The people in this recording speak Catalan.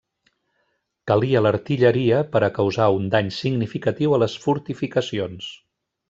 Calia l'artilleria per a causar un dany significatiu a les fortificacions.